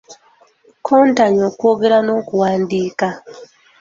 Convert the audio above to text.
Kontanya okwogera n'okuwandiika.